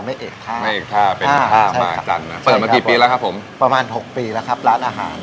เอกท่าไม่ท่าเป็นท่าไม้จันทร์นะเปิดมากี่ปีแล้วครับผมประมาณหกปีแล้วครับร้านอาหาร